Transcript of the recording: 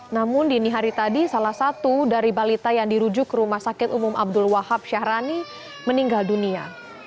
namun dini hari tadi salah satu dari balita yang dirujuk ke rumah sakit umum abdul wahab syahrani meninggal dunia